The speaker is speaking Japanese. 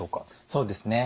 そうですね。